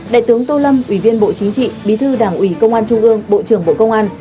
đại tướng tô lâm ủy viên bộ chính trị bí thư đảng ủy công an trung ương bộ trưởng bộ công an